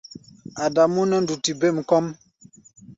Adamú nɛ́ nduti bêm kɔ́ʼm.